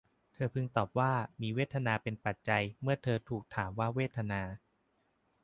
เธอพึงตอบว่า มีเวทนาเป็นปัจจัย เมื่อเธอถูกถามว่าเวทนา